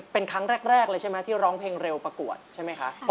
ของอะไรก็ไม่ต้องเอามาฝาก